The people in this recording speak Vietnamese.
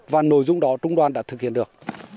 và nội dung đó trung đoàn đã thực hiện được